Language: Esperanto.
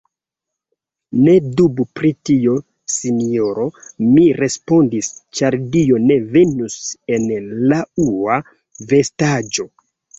Ne dubu pri tio, sinjoro, mi respondis, Ĉar Dio ne venus en laŭa vestaĵo.